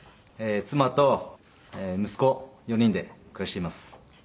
妻と息子４人で暮らしています。